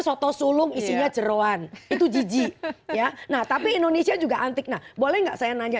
soto sulung isinya jeruan itu jijik ya nah tapi indonesia juga antik nah boleh nggak saya nanya